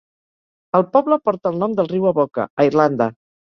El poble porta el nom del riu Avoca, a Irlanda.